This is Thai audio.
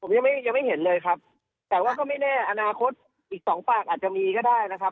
ผมยังไม่ยังไม่เห็นเลยครับแต่ว่าก็ไม่แน่อนาคตอีกสองปากอาจจะมีก็ได้นะครับ